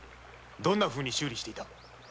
どんなふうに修理していた？